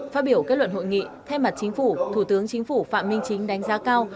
phát biểu kết luận hội nghị thay mặt chính phủ thủ tướng chính phủ phạm minh chính đánh giá cao